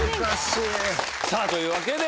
さあ！という訳で。